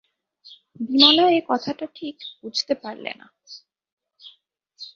বিমলা এ কথাটা ঠিক বুঝতে পারলে না।